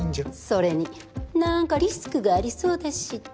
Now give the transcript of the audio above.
それになんかリスクがありそうだしって？